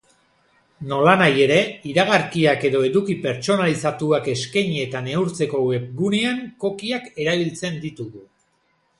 Nolanahi ere, iragarkiak edo eduki pertsonalizatuak eskaini eta neurtzeko webgunean cookieak erabiltzen ditugu.